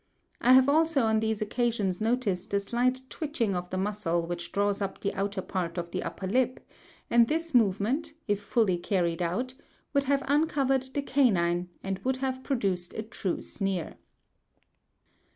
I have also on these occasions noticed a slight twitching of the muscle which draws up the outer part of the upper lip; and this movement, if fully carried out, would have uncovered the canine, and would have produced a true sneer.